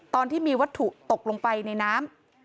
ตอนที่มีวัตถุตกลงไปในน้ำ